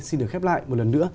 xin được khép lại một lần nữa